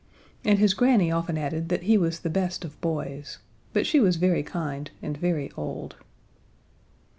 And his granny often added that he was the best of boys. But she was very kind and very old.